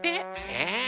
え？